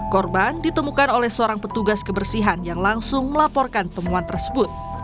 korban ditemukan oleh seorang petugas kebersihan yang langsung melaporkan temuan tersebut